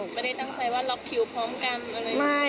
ไม่ได้ตั้งใจว่าล็อกคิวพร้อมกันอะไร